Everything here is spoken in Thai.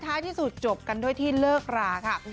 ที่สุดจบกันด้วยที่เลิกราค่ะ